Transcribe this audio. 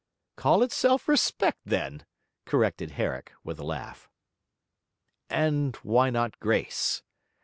'Call it self respect, then!' corrected Herrick, with a laugh. 'And why not Grace?